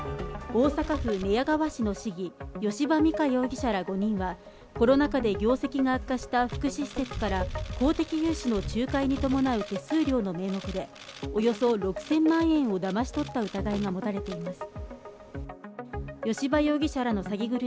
大阪府寝屋川市の市議、吉羽美華容疑者ら５人はコロナ禍で業績が悪化した福祉施設から公的融資の仲介に伴う手数料の名目でおよそ６０００万円をだまし取った疑いが持たれています。